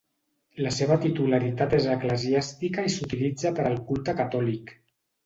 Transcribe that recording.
La seva titularitat és eclesiàstica i s'utilitza per al culte catòlic.